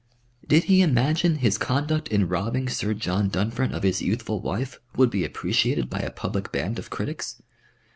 Did he imagine his conduct in robbing Sir John Dunfern of his youthful wife would be appreciated by a public band of critics?